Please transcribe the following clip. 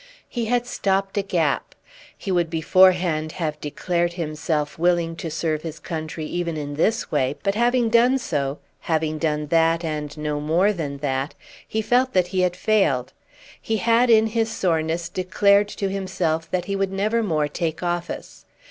He had stopped a gap. He would beforehand have declared himself willing to serve his country even in this way; but having done so, having done that and no more than that, he felt that he had failed. He had in his soreness declared to himself that he would never more take office.